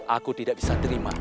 aku tidak bisa terima